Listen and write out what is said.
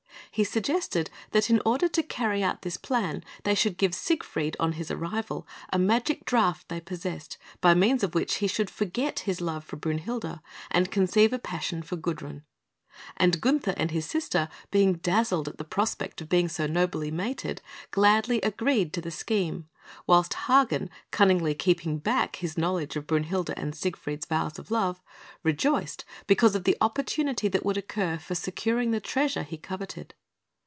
He suggested that in order to carry out this plan they should give Siegfried, on his arrival, a magic draught they possessed, by means of which he should forget his love for Brünhilde, and conceive a passion for Gudrun; and Gunther and his sister, being dazzled at the prospect of being so nobly mated, gladly agreed to the scheme, whilst Hagen, cunningly keeping back his knowledge of Brünhilde's and Siegfried's vows of love, rejoiced, because of the opportunity that would occur for securing the treasure he coveted.